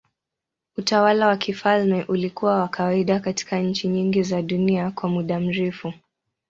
Utawala wa kifalme ulikuwa wa kawaida katika nchi nyingi za dunia kwa muda mrefu.